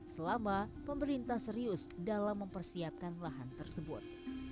selama pemerintah serius dalam mempersiapkan lahan tersebut